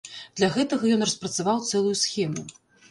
Для гэтага ён распрацаваў цэлую схему.